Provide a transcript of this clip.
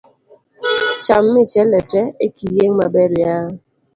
Cham Michele tee ekiyieng' maber yawa.